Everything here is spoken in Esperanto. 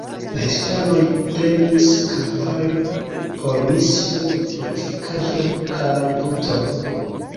La hispanoj prenis kampojn por misio, fortikaĵo kaj brutoj.